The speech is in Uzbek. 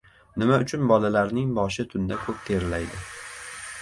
Nima uchun bolalarning boshi tunda ko‘p terlaydi?